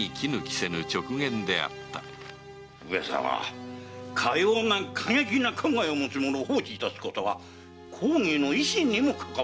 上様かような過激な考えを持つ者を放置致すことは公儀の威信にもかかわりますぞ！